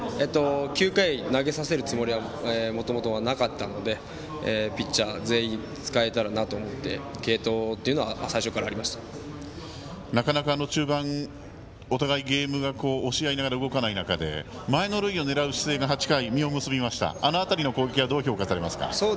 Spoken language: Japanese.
９回投げさせるつもりはもともとなかったのでピッチャー全員使えたらと思ってなかなか中盤、お互いゲームが押し合いながら動かない中で先の塁を狙う姿勢が８回、実を結びましたがあの姿勢はどう評価されますか？